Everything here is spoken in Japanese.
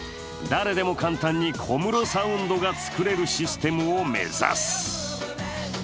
誰でも簡単に小室サウンドが作れるシステムを目指す。